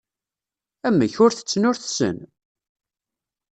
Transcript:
Amek, ur tetten ur tessen?